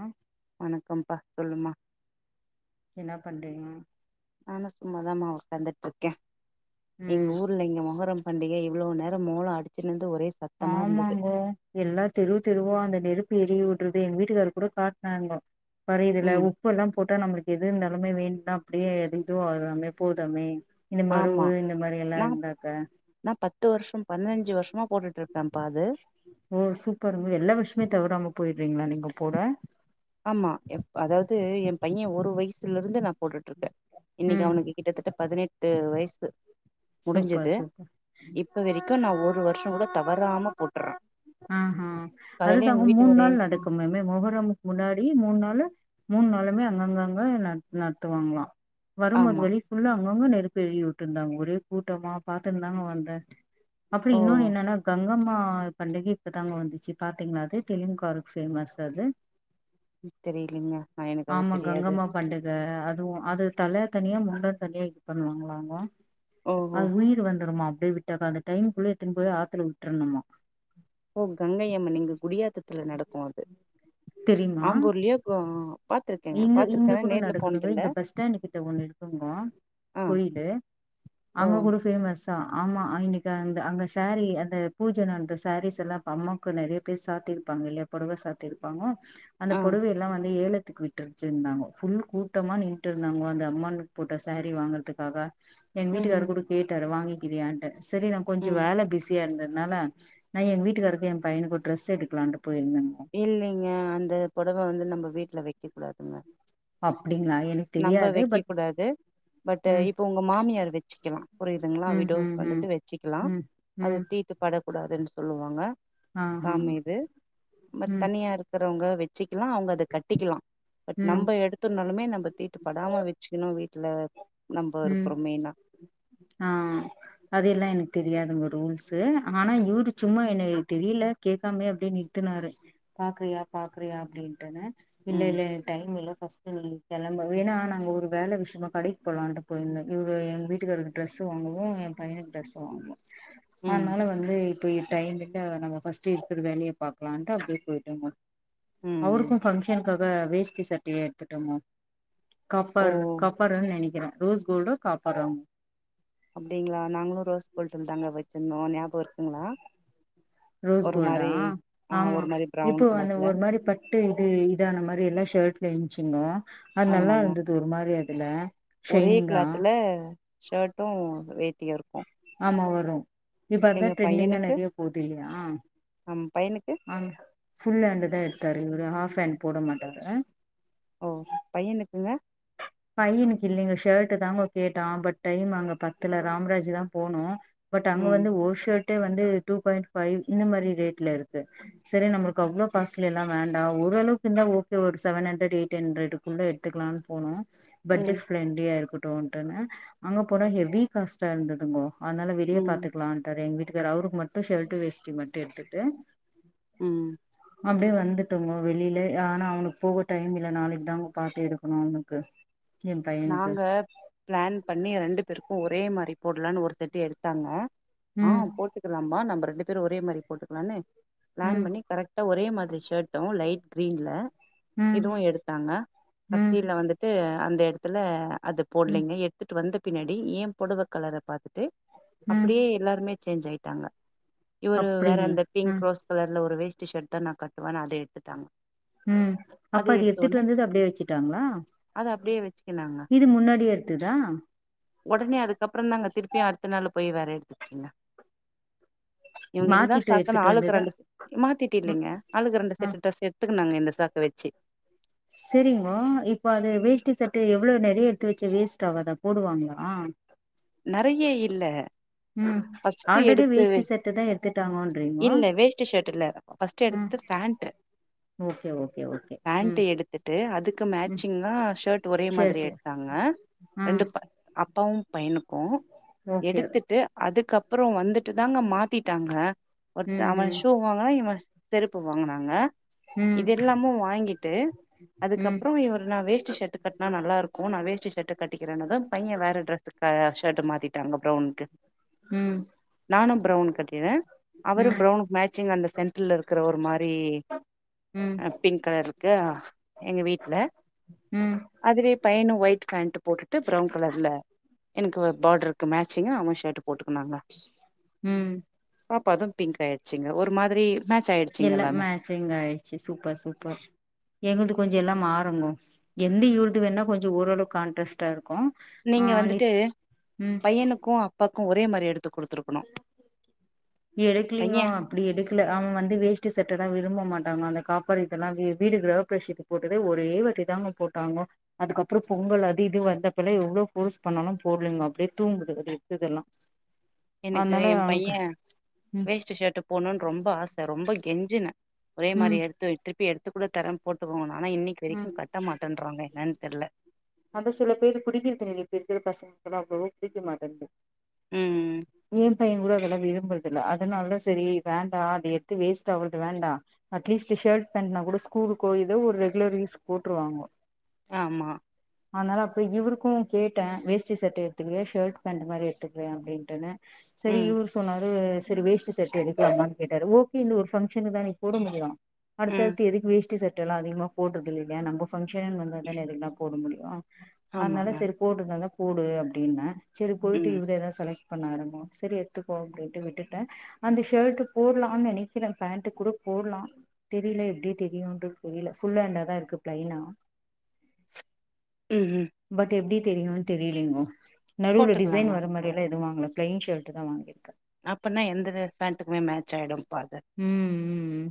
அ வணக்கம்ப்பா சொல்லுமா என்ன பண்றீங்க நானு சும்மாதா மா உக்காந்துட் இருக்கே எங்க ம் ஊர்ல இங்க மொகரம் பண்டிகை இவ்ளோ நேரொ மோளொ அடிச்சுனுருந்து ஒரே சத் ஆமாங்கோ எல்லா தெரு தெருவா அந்த நெருப்பு எரிய விடுறதெ எங்க வீட்டுக்காரு கூட காட்னாங்கோ வரு இதுல உ ம் உப்பல்லா போட்டா நம்மளுக்கு எது இருந்தாலுமே வேண்டுனா அப்டியே [unintelligible] ஆறாமே போதாமே இந்த மருவு ஆமா இந்த மாரி எல்லா நா இருந்தாக்க நா பத்து வர்ஷம் பன்னஞ்சு வர்ஷமா போட்டுட்டு இருக்கே பா அது ஓ சூப்பர்ங்க எல்லா வர்ஷமே தவறாம போயிடுறீங்ளா நீங்க போட ஆமா எப் அதாவது எ பையெ ஒரு வயசுல இருந்து நா போட்டுட்டு இருக்கே இன்னக்கி ம் அவனுக்கு கிட்டத்தட்ட பதினெட்டு வயசு சூப்பர் முடுஞ்சது சூப்பர் இப்ப வரிக்கு நா ஒரு வர்ஷோ கூட தவறாம போட்டுறே அஹ அது காலையில எங்க தாங்க மூன் வீட்டுக்காரு நாள் ஏன்ச்சு நடக்குமே மொகரமுக்கு முன்னாடி மூன் நாளு மூனு நாளுமே அங்கங்க அங்க நடத் நடத்துவாங்களா வரும்போது ஆமா வழி ஃபுல்ல அங்கங்க நெருப்பு எறிய விட்ருந்தாங்க ஒரே கூட்டமா பாத்துனுந்தாங்க வந்தே அப்புடி ஓ இன்னொன்னு என்னன்னா கங்கம்மா பண்டிகை இப்பதாங்க வந்துச்சு பாத்திங்ளா அது தெளிங்க்காரக் ஃபேமஸ் அது தெரியிலிங்க நா எனக்கு அது ஆமா தெரியாது கங்கம்மா பண்டிக அதுவு அது தல தனியா முண்டொ தனியா இது பண்ணுவாங்களா அவுங்க ஓஹோ அது உயிர் வந்துருமா அப்டியே விட்டாக்கா அந்த டைம்க்குள்ள எத்துனு போய் ஆத்துல விட்ரணுமா ஓ கங்கையம்மன் எங்க குடியாத்தத்துல நடக்கு அது தெரியுமா ஆம்பூர்லையொ கொ பாத்திரு இங்க இங்க கூட நடக்குதுங்க இங்க பஸ் ஸ்டாண்டு கிட்ட ஒன்னு இருக்குங்கோ ஆ கோயிலு ஓ அங்க கூடு ஃபேமஸ்சா ஆமா இன்னைக்கு அந்த அந்த சாரீ அந்த பூஜனந்த சாரீஸ் எல்லா அம்மாவுக்கு நெறைய பேர் சாத்திருப்பாங்க இல்லையா புடவ சாத்திருப்பாங்க அந்த ஆ புடவ எல்லா வந்து ஏலத்துக்கு விட் ருச்சுன்னாங்கோ ஃபுல் கூட்டமா நின்ட் இருந்தாங்க அந்த அம்மன் போட்ட சாரீ வாங்கறதுக்காக எங் ம் வீட்டுக்காரு ம் கூட கேட்டாரு வாங்கிக்கிறியான்டு சரி நா கொஞ்ச ம் வேல பிஸ் பிசியா இருந்ததுனால நா என் வீட்டுக்காரருக்கு என் பையனுக்கு ஒரு டிரெஸ் எடுக்கலான்ட்டு போயிருந்தேங்க இல்லிங்க அந்த பொடவ வந்து நம்ப வீட்ல வெக்க கூடாதுங்க. அப்டிங்களா எனக்கு நம்ம தெரியாது வெக்க பட் கூடாது. பட் ம் இப்போ உங்க மாமியார் வச்சுக்கலா புரியுதுங்களா ம் விடோஸ் ம் ம் வந்துட்டு வச்சிக்கலா ம் அது ம் தீ ட்டு படக்கூடாதுன் சொல்லுவாங்க. ஆஹ ம தனியா இருக்கிறவங்க வெச்சிக்கிலா அவங்க அத கட்டிக்கலா பட் ம் நம்ப எடுத் துனாலுமே நம்ப தீட்டு படாம வெச்சுக்கணு வீட்டுல நம்ப ம் இருக்குறோ மெயினா ஆ அது எல்லா எனக் தெரியாதுங்க ரூல்ஸ்சு ஆனா இவுரு சும்மா எனக் தெரியில கேக்காமேயே அப்படியே நிறுத்துனாரு பாக்றியா பாக்றியா அப்படின்ட்டுன்னு இல்ல ம் இல்ல டைம் இல்ல ஃபர்ஸ்ட் நீ கிளம்பு வேன்னா நாங்க ஒரு வேல விஷ்யமா கடைக் போலான்டு போய்ந்த இவுரு வீட்டுக்காரருக்கு டிரஸ் வாங்கவு எ பையனுக் டிரஸ் வாங்கனு அதனால ம் இப்போ டைம் விட்டா நம்ம பஸ்ட் இருக்கற வேலைய பாக்கலான்ட்டு அப்படியே போயிட்டோமா ம் இவுருக்கு ஃபங்சன்காக வேஸ்டி சட்டை எடுத்துட்டோம்மா காப்பர் ஓ காப் பறுன் நெனைகிறே ரோஸ் கோல்டு காப்பறோங் அப்படிங்களா நாங்களு ரோஸ்கோல்ட் தாங்க வச்சிந்தோ ஞாபக இருக்குங்களா ரோஸ் ஒரு கோல்டா மாரி ஆ ஆமா ஒரு மாரி இப்போ ப்ரவுன் வந்து கலர்ல ஒரு மாதிரி பட் டு இது இதான மாரி எல்லா ஷர்ட்ல ன்ச்சுங்கோ அது நல்லா ஆமாங்க இருந்தது ஒரு மாரி அதுல ஒரே ஷைனிங்கா கிளாத்துல ஷர்ட்டு வேட்டியு இருக்கு ஆமா வரு இப்ப அதா எங்க ட்ரெண்டிங்கா பையனுக்கு நெறையா போது இல்லையா நம் பையனுக்கு ஆ. ஃபுல் ஹேண்ட்டு தா எடுத்தாரு இவரு ஹாஃப் ஹேண்ட் போட மாட்டாரு அ ஓ பையனுக்குங்க பையனுக்கு இல்லைங்க ஷர்ட் தாங்க கேட்டா பட் டைம் அங்க பத்தல ராம்ராஜ் தா போனோ பட் அங்க ம் வந்து ஓர் ஷர்ட்டே வந்து டூ பாயிண்ட் ஃபைவ் இந்த மாதரி ரேட்ல இருக்கு சரி நம்மளுக்கு அவ்வளோ காஸ்லில வேண்டா ஓர அளவுக்கு இருந்தா ஓகே ஒரு செவன் ஹண்ட்ரட் எயிட் ஹண்டரட்டு குள்ள எத்துக்கலான் போனோ ம் பட்ஜெட் ஃப்ரெண்ட்லியா இருக்கட்டுன்ட்டுன்ன அங்க போனா ஹெவி காஸ்ட்டா இருந்ததுங்கோ. அனால வெளியே ம் பாத்துக்கலான்ட்டாரு எங்க வீட்டுக்கார் அவருக்கு மட்டும் ஷர்ட் வேஸ்டி மட்டு எடுத்துட்டு ம் அப்படியே வந்துட்டோங்க வெளியில ஆனா அவனுக் போக டைம் இல்ல நாளைக் தாங்க பாத்து எடுக்கணு அவனுக்கு எ பையனுக்கு நாங்க பிளான் பண்ணி ரெண்டு பேருக்கு ஒரே மாரி போடலான் ஒரு செட்டு எடுத்தாங்க ஆ ம் போட்டுக்கலாம்பா நம்ம ரெண்டு பேர் ஒரே மாரி போட்டுக்கலான்னு பிளான் ம் பண்ணி கரெக்டா ஒரே மாதிரி ஷர்ட்டு லைட் க்ரீன்ல ம் இதுவு எடுத்தாங்க ம் கடைசியில வந்துட்டு அந்த எடத்துல அது ம் போட்லிங்க எத்துட்டு வந்த பின்னாடி ஏ பொடவ கலர பாத்துட்டு ம் அப்படியே எல்லாருமே சேஞ்ச் ஆயிட்டாங்க இவரு வேற அப்டிங்களா அந்த பிங்க் ம் ரோஸ் கலர்ல ஒரு வேஸ்ட்டி ஷர்ட் தா நா கட்டுவன்னு அத எடுத்துட்டாங்க ம் அப்ப அது அத எடுத்த எத்துட்டு ஒடனே வந்தத அப்படியே வச்சுட்டாங்களா. அத அப்டியே வச்சுக்கினாங்க இது முன்னாடியே எடுத்ததா ஒடனே அதுக்கப்புறம் தாங்க திருப்பியும் அடுத்த நாள் போய்ராரு இவங்க இதுதான் மாத்திட்டு சாக்குன்னு எடுத்துட்டு ஆளுக்கு வந்ததா ரெண்டு ச ம் மாத்ட்டில்லைங்க ஆளுக்கு ரெண்டு ஆ செட்டு ட்ரெஸ் எடுத்துக்கினாங்க இந்த சாக்க வச்சு சேரிங்கோ இப்போ அது வேஸ்ட்டி சட்டு எவ்ளோ நெறைய எடுத்து வச்ச வேஸ்ட் ஆவதா போடுவாங்களா நெறைய இல்ல ம் ஃபஸ்ட் ஆல்ரெடி எடுத்து வே வேஷ்டி செட்டு தா எடுத்துட்டாங்கன்றீங்கோ இல்ல வேஸ்ட் ஷர்ட் இல்ல ஃப்ஸ்ட் ம் எடுத்தது ஃபேன்ட்டு ஓகே ஓகே ஓகே ம் ஃபேண்ட்டு எடுத்துட்டு அதுக்கு ம் மேச்சிங்கா ஷர்ட் ஒரே மாதிரி ஷர்ட்டு எடுத் தாங்க ம் ரெண்டு அப்பாவும் பையனுக்கும் ஓகே எடுத்துட்டு அதுக்கப்புறம் வந்துட்டு தாங்க மாத்திட்டாங்க ஒருத்த ம் அவ ம் ஷீ வாங்குன இவே செருப்பு வாங்கனாங்க ம் இதயெல்லாமு வாங்கிட்டு ம் அதுக்கப்புறம் இவர்ரு நான் வேஸ்ட் ஷர்ட் கட் னா நல்லாருக்கும் நான் வேஷ்டி ஷர்ட் கட்டிக்கிறேனதும் பையன் வேற ட்ரெஸ் ஆ ஷேட்டா மாத்திட்டாங்க ப்ரௌன்னுக்கு ம் நானும் ப்ரௌவுன் கட்டிருரேன் அவரும் ப்ரௌவுனுகு மேச்சிங் அந்த சென்ட் ர்ல இருக்கிறவொரு மாரி ம் ம் ஆ பிங்க் காருக்கு எங்க வீட்ல் ம் அதுவே பையனும் ஒயிட் பேண்ட் போட்டுட்டு ப்ரௌவுன் கலர்ல எனக்கு ஒரு பாடருக்கு மேச்சிங்க அவன் ஷர்ட் போட்டுக்கினாங்க ம் பாப்பாவுதும் பிங்க் ஆயிடுச்சுங்க ஒரு மாதிரி மேட்ச் ஆயிடுச்சுங்க எல்லாம் எல்லாமே மேச்சிங் ஆயிடுச்சு சூப்பர் சூப்பர் எங்களுது கொஞ்சம் எல்லாம் மறனு எந்த யுருட்டு வேண்ணா கொஞ்சம் ஓரளவுக்கு கான்ட்ரெஸ்ட்டா இருக்கும் நீங்க வந்துட்டு பையனுக்கும் அப்பாக்கும் ஒரே மாரி எடுத்து கொடுத்துருக்கோ எடுக்லிங்கோ பைய அப்டி எடுக்கல அவன் வந்து வேஸ்டி சட்ட தா விரும்ப மாட்டாங்கா அந்த காப்பர் இதெல்லாம் வீடு கிறகபிரவேஷத்துக்கு போட்டதே ஒரே வாட்டி தாங்க போட்டாங்கோ அதுக்கப்புறம் பொங்கல் அது இது வந்தப்பல்லாம் எவ்வளோ ஃபோர்ஸ் பண்ணாலும் போடலங்க அப்டியே தூங்குது அது இக்குது எல்லாம் எனக்கு எ பையன் ம் வேஸ்டி ஷர்ட் போணும்னு ரொம்ப ஆசை ரொம்ப கெஞ்சினே ஒரே ம் மாரி எடுத்து திருப்பி எடுத்து கூட தர்ரேன் போட்டுபோங்க ஆனா இன்னைக்கு ம் வரைக்கும் கட்ட மாட்டேன்றன்றாங்க என்னன்னு தெர்ல அந்த செல பேர் புடிக்கிருது இல்ல இப்ப இருக்கிற பசங்களுக்கெல்லாம் அவ்ளோவா புடிக்க மாட்டேங்குது ம் ஏ பையன் கூட அதெல்லாம் விரும்புரதுல்ல அதனால தா சேரி வேண்டாம் அதை எடுத்து வேஸ்ட் ஆவுது வேண்டாம் அட்லீஸ்ட் ஷேர்ட் பேண்ட்னா கூட ஸ்கூலுக்கோ ஏதோ ஒரு ரெகுலர் யூஸ் போட்ருவாங்க ஆமா அதனால அப்ப இவருக்கும் கேட்டேன் வேஷ்டி செர்ட் எடுத்துகிறியா ஷர்ட் பேண்ட் மாரி எடுத்துக்கிறியா அப்டின்ட்டுன்னு சேரி ம் யூவு சொன்னாரு சேரி வேஸ்டி ஷாட் எடுக்கலாமான்னு கேட்டாரு ஓகே இந்த ஒரு பங்க்ஷனு தானே நீ போட முடியும் ம் அடுத்தடுத்து எதுக்கு வேஸ்டி சட்டலாம் அதிகமா போடுறது இல்லையா நம்ம பங்க்ஷன்னு வந்தா தானே அதல்லாம் போட முடியும் அதனால ஆமாங்க சேரி போடுறந்தா போடு அப்டின்னே சேரி போயிட்டு ம் இந்த எத செலக்ட் பண்ணாரு சேரி எடுதுக்கோ அப்டின்ட்டு விட்டுட்டேன் அந்த ஷர்ட்டு போடலாம்னு நெனைக்கிறேன் பேண்ட் கூட போட்லாம் தெரியில எப்டி தெரியுன்டு தெரியில ஃபுல் ஹாண்டா தா இருக்கு பிலைனா ம் ஹும் பட் எப்டி தெரியுன் தெரியலீங்கோ நடுவுல டிசைன் போட்டுக்கலாங்க வர மாரி லா எதுவு வாங்கல பிளைன் ஷர்ட் தா வாங்கி இருக்க அப்பனா எந்த பேண்ட்டுக்குமே மேட்ச் ஆயிடும் பா அது ம் ம்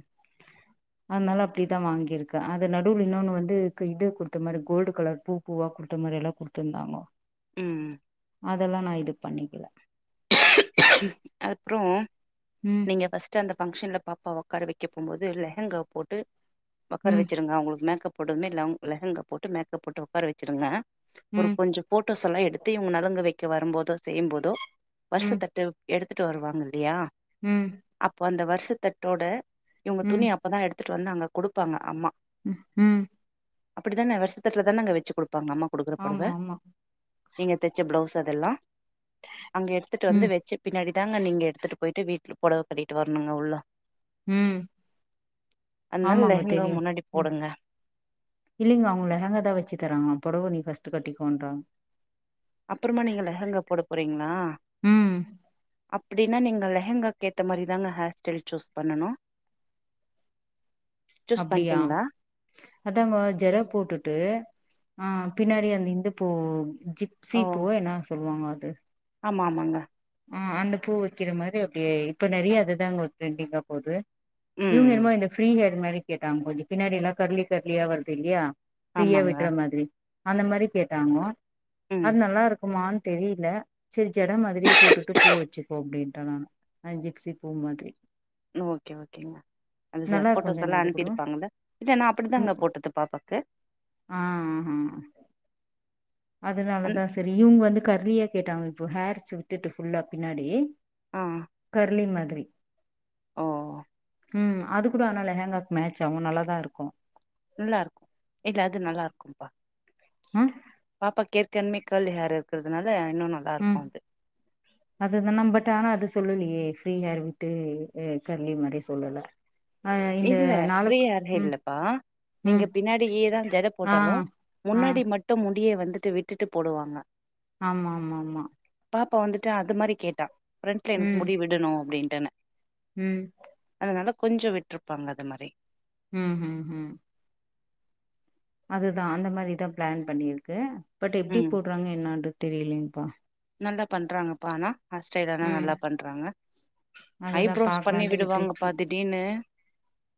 அனால அப்டிதா வாங்கியிருக்கே அந்த நடுவு இன்னொன்னு வந்து இது குடுத்த மாரி கோல்டு கலர் பூ பூவா குடுத்த மாரி எல்லா கொடுத்துருந்தாங்கோ ம் அதெல்லா நா இது பண்ணிக்கில அப்புறோ ம் நீங்க ஃபஸ்ட்டு அந்த ஃபங்க்ஷன்ல பாப்பா உக்கார வைக்க போம்போது லெஹங்கா போட்டு உக்கார ம் வெச்சிருங்க அவங்களுக்கு மேக்கப் போட்டதுமே லெ லெஹங்கா போட்டு மேக்கப் போட்டு உக்கார வெச்சிருங்க ஒரு ம் கொஞ்சொ ஃபோட்டோஸ் எல்லா எடுத்து இவங்க நலங்கு வைக்க வரும் போதோ செய்யும் போதோ ம் வருஷத்தட்டு எடுத்துட்டு வருவாங்க இல்லையா ம் அப்போ அந்த வருஷத்தட்டோட இவங்க ம் துணி அப்பதா எடுத்துட்டு வந்து அங்க கொடுப்பாங்க அம்மா ம் ஹும் அப்டித்தானே வருஷத்துட்டுல தானேங்க வெச்சு கொடுப்பாங்க அம்மா குடுக்குற ஆமா பொடவ ஆமா நீங்க தெச்ச ப்ளவுஸ் அதெல்லா அங்க எடுத்துட்டு வந்து ம் வெச்சு பின்னாடிதாங்க நீங்க எடுத்துட்டு போயிட்டு வீட்டுல புடவ கட்டிட்டு வரணுங்க உள்ள ம் அதுனால ஆமாங்க லெஹங்காவ தெரியு முன்னாடி ம் போடுங்க இல்லைங்க அவங்க லெஹங்கா தா வெச்சு தராங்களா புடவ நீ ஃபர்ஸ்ட் கட்டிகோன்றாங்க அப்புறமா நீங்க லெஹங்க போட போறீங்களா ம் அப்டின்னா நீங்க லெஹங்காக்கு ஏத்த மாரிதாங்க ஹேர் ஸ்டைல் சூஸ் பண்ணணு சூஸ் அப்டியா பண்ட்டீங்களா அதாங்கோ ஜட போட்டுட்டு ஆ பின்னாடி அந் இந்த பூ ஜி சீ ஓ பூவு என்ன சொல்லுவாங்க அது ஆமா ஆமாங்க ஆ அந்த பூ வைக்கிற மாரி அப்டியே இப்ப நெறைய அதுதாங்க ட்ரெண்டிங்கா போது ம் இவங்க ம் என்னமோ இந்த ஃப்ரீ ஹேர் மாரி கேட்டாங்க கொஞ்சொ பின்னாடி எல்லா கர்லி கர்லியா வருது இல்லையா ஃரீயா ஆமாங்க விடுற மாதிரி அந்த மாரி கேட்டாங்க ம் அது நல்லா இருக் க்குமான் தெரியல சரி ஜட மாதிரியே போட் டுட்டு பூ வெச்சுக்கோ அப்டின்ட்டே நானு ஜிப்சி பூ மாதிரி ஓகே ஓகேங்க அது சா நல்லா இருக்கு ஃபோட்டோஸ் எல்லா தான அது அனுப்பி கூட இருப்பாங்கள இல்ல நா அப்டி தாங்க போட்டது பாப்பாக்கு ஆஹா அந் அதனாலதா சரி இவங்க வந்து கர்லியா கேட்டாங்க இப்போ ஹேர்ஸ் விட்டுட்டு ஃபுல்லா பின்னாடி ஆ கர்லி மாதிரி ஓ ஓ ம் அது கூட ஆனா லெஹேங்காக்கு மேச் ஆகு நல்லாதா இருக்கு நல்லா இருக்கு இல்ல அது நல்லா இருக்கும்பா அ பாப்பா ஏற்கன்மே கெர்லி ஹேர் இருக்குறதுனால இன்னு நான் ம் அதுதா நம்ம பட் ஆனா அது சொல்லலையே ஃப்ரீ ஹேர் விட்டு அ கர்லி மாரியு சொல்லல ஆ இந்த இல்ல ப்ரீ நாளுக் ஹேரே ம் இல்லப்பா நீங்க ம் பின்னாடியே தா ஜட ஆ போட்டாலு ஆ முன்னாடி மட் ட்டு முடிய வந்துட்டு விட்டுட்டு போடுவாங்க ஆமா ஆமா ஆமா பாப்பா வந்துட்டு அது மாரி கேட்டா ப்ரெண்ட்ல எனக்கு ம் முடி விடணு அப்டின்ட்டுன்னு ம் அதுனால கொஞ்சோ விட்ருப்பாங்க அது மாரி ம் ஹும் ஹும் அதுதா அந்த மாரிதா ப்ளான் பண்ணியிருக்கு பட் எப்டி ம் போட்றாங்க என்னான்றது தெரியலிங்கப்பா நல்லா பண்றாங்கப்பா ஆனா ஹேர் ஸ்டைலலா ம் நல்லா பண்றாங்க அதுதா ஐப்ரோஸ் பண்ணி பாக்கலான்ட்டு விடுவாங்கப்பா விட்டுச்சு திடிர்னு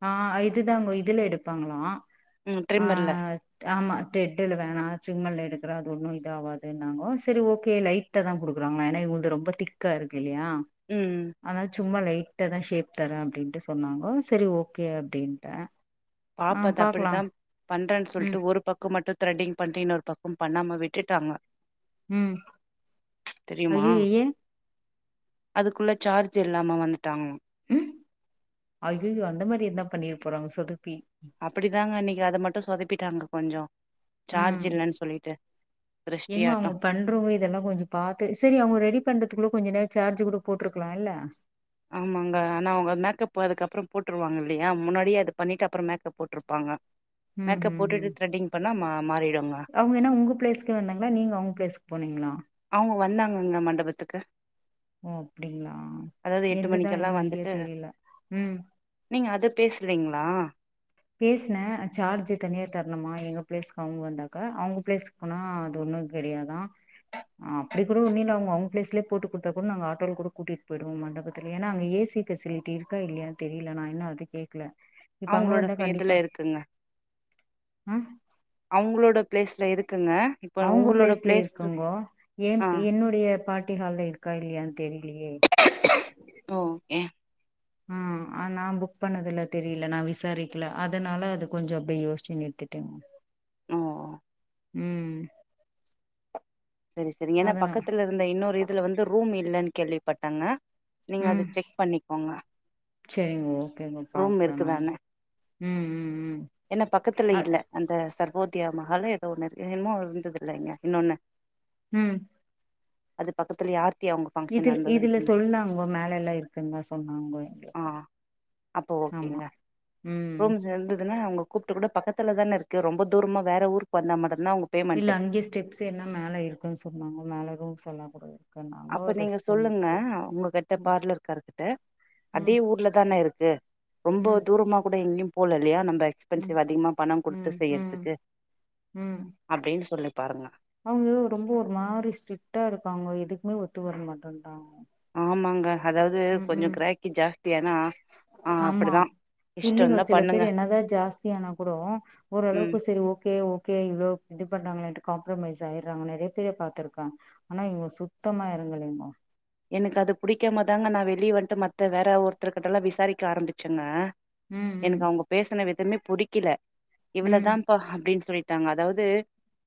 ஆ இதுதாங்கோ இதுல எடுப்பாங்களா ம் ஆ ட்ரிம்மர்ல ஆமா டெட்டெலுவே நானா சும்மல்ல எடுக்குறே அது ஒண்ணு இத ஆவாதுன்னாங்கோ செரி ஓகே லைட் கிட்ட தா குடுக்குறாங்களா ஏன்னா இவுங்கது ரொம்ப திக்கா இருக்கு இல்லையா ம் ம் அதனால சும்மா லைட்டா தா ஷேப் தரே அப்டின்ட்டு சொன்னாங்கோ செரி ஓகே அப்டின்ட்டே ஆ பாப்பா அது பாக்கலா அப்டித்தா பண்றேன் ம் சொல்ட்டு ஒரு பக்கோ மட்டு த்ரெட்டிங் பண்ட்டு இன்னொரு பக்கம் பண்ணாம விட்டுட்டாங்க ம் தெரியுமா ஐயயோ ஏ அதுக்குள்ள சார்ஜ் இல்லாம வந்துட்டாங்களா ம் ஐய்யய்யோ அந்த மாரி என்ன பண்ணிற போறாங்க சொதப்பி அப்புடிதாங்க அன்னைக்கு அது மட்டு சொதப்பிட்டாங்க கொஞ்சோ சார்ஜ் ம் இல்லன் சொல்லிட்டு திருஷ்டியாட்டோ பண்றவுங்க இதெல்லா கொஞ்ச பாக்க செரி அவுங்கோ ரெடி பண்றதுக்குள்ள கொஞ்ச நேர சார்ஜ் கூட போட்ருக்கலா இல்ல ஆமாங்க ஆனா அவுங்க மேக்கப் அதுக்கப்பறம் போட்ருவாங்க இல்லையா முன்னாடியே அது பண்ணிட்டு அப்பறம் மேக்கப் போட்ருப்பாங்க ம் மேக்கப் போட்டுட்டு த்ரெட்டிங் பண்ணா மா மாறிடுங்க அவுங்க என்ன உங்க ப்ளேஸ்க்கு வந்தாங்களா நீங்க அவுங்க ப்ளேஸ்க்கு போனீங்களா அவுங்க வந்தாங்கங்க மண்டபத்துக்கு ஓ அப்டிங்களா அதாவது எட்டு என்து தா மணிக்கெல்லா என்ன ஐடியா வந்துட்டு தெரியல ம் நீங்க அத பேசுறிங்ளா பேசுனே சார்ஜ் தனியா தரண்னுமா எங்க ப்ளேஸ்க்கு அவுங்க வந்தாக்கா அவுங்க ப்ளேஸ்க் ஆனா அது ஒண்ணு கெடையாதா ஆ அப்டி கூட நீல அவுங்க அவுங்க ப்ளஸ்லயே போட்டு குடுத்தா கூட நாங்க ஆட்டோல கூட கூட்டிட்டு போய்டுவோ மண்டபத்துல ஏன்னா அங்க ஏசி பெசிலிட்டி இருக்கா இல்லையான் தெரியல நா இன்னு அது கேக்ல இப்ப அங்க வந்தா பியு இதுல கண்டிப்பா இருக்குங்க ஆ அவுங்களோட ப்ளேஸ்ல இருக்குங்க இப்ப அவுங்க உங்களோட பிளேஸ்ல பிளேஸ் இருக்கங்கோ எ ஆ என்னுடைய பார்ட்டி ஹால்ல இருக்கா இல்லையான் தெரியலையே ஓகே ஆ அன் நா புக் பண்ணதுல்ல தெரியல நா விசாரிக்கல அதுனால அது கொஞ்சோ அப்டியே யோசிச்சு நிறுத்திட் [unintelligible] ஓ ஓ ம் செரி செரிங்க ஏன்னா அதனா பக்கத்துல இருந்த இன்னொரு இதுல வந்து ரூம் இல்லன்னு கேள்விப்பட்டங்க நீங்க ம் அது செக் பண்ணிக்கோங்க செரிங்க ஓகேங்க ரூம் பாக்குறே இருக்குதான்னு நானு ம் ம் ம் இல்ல அ இல்ல அந்த சர்வோத்தியா மகால்னு ஏதோ ஒன்னு இருக்கு இன்மு இருந்தது இல்ல இங்க இன்னொன்னு ம் அது பக்கத்துல யார் இதுல இதுல சொல்லாங்கோ மேல எல்லா இருக்குன்தா சொன்னாங்கோ ஆ எங்ளுக்கு அப்போ ஓகேங்க ம் ரூம்ஸ் இருந்ததுன்னா உங்க கூப்ட்டு கூட பக்கத்துல தான இருக்கு ரொம்ப தூரமா வேற ஊருக்கு வந்தா மட்டம்தா அவுங்க இல்ல அங்கே ஸ்டெப்ஸ் என்னா மேல இருக்குன் சொன்னாங்க மேல ரூம்ஸ் சொல்ல கூடாது அப்ப நீங்க சொல்லுங்க உங்க கிட்ட ம் பார்லர்காருகிட்ட அதே ம் ஊர்ல தான இருக்கு ரொம்ப ம் தூரமா கூட எங்கயு போல இல்லையா நம்ப ம் எக்ஸ்பென்சிவ் அதிகமா பணம் குடுத்து ம் ம் செய்யறதுக்கு ம் அப்டின் சொல்லி பாருங்க அவங்க ரொம்ப ஒரு மாரி ஸ்ட்ரிக்டா இருப்பாங்க எதுக்குமே ஒத்து வர மாட்டேன்டாங்க ஆமாங்க அதாவ்து கொஞ்சோ கிராக்கி ஜாஸ்தி ஆனா ஆமா இல்லிங்கோ செல பேரு பண்ணுங்க என்னதா ஜாஸ்தியானா கூடோ ம் ஓரளவுக்கு சரி ஓகே ஓ கே இவ்ளோ இது பண்றாங்களேன்ட்டு காம்ப்ரமைஸ் ஆயிறாங்க நெறைய பேர பாத்துருக்க ஆனா இவுங்க சுத்தமா எறங்கலேங்கோ எனக் அது புடிக்காமதாங்க நா வெளிய வந்ட்டு மத்த வேற ஒருத்தர்கிட்டலா விசாரிக்க ஆரம்பிச்சேங்க ம் ம் எனக்கு அவுங்க பேசுன விதமே புடிக்கல ம் இவ்ளதான்ப்பா அப்டின் சொல்லிட்டாங்க அதாவது